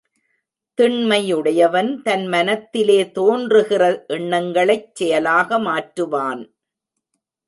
திண்மை உடையவன் தன் மனத்திலே தோன்றுகிற எண்ணங்களைச் செயலாக மாற்றுவான்.